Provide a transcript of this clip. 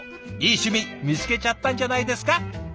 いい趣味見つけちゃったんじゃないですか？